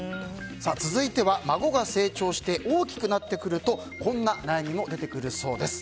続いては孫が成長して大きくなってくるとこんな悩みも出てくるそうです。